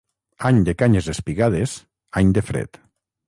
Any de canyes espigades, any de fred.